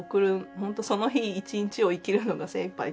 本当にその日一日を生きるのが精いっぱいというか。